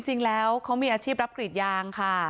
จริงแล้วเขามีอาชีพรับกรีดยางค่ะ